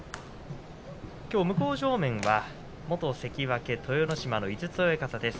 きょうの向正面は元関脇豊ノ島の井筒親方です。